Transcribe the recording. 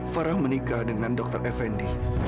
farah menikah dengan dokter effendi